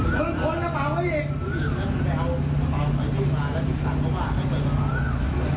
แล้วคุณกระเป๋าไว้อีกมาแล้วจิตตรงเขาว่าไม่มีใครมารีดไข่